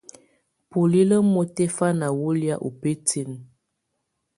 Bulilǝ́ mutɛ̀fana wù lɛ̀́á ù bǝtinǝ́.